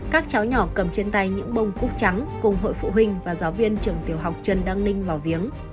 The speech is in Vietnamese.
các cháu nhỏ cầm trên tay những bông cúc trắng cùng hội phụ huynh và giáo viên trường tiểu học trần đăng ninh vào viếng